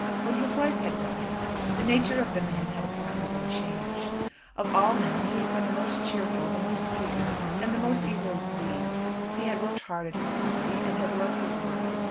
When his wife had died, the nature of the man had apparently been changed. Of all men he had been the most cheerful, the most eager, and the most easily pleased. He had worked hard at his property, and had loved his work.